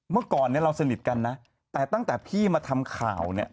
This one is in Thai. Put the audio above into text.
เมื่อก่อนเนี่ยเราสนิทกันนะแต่ตั้งแต่พี่มาทำข่าวเนี่ย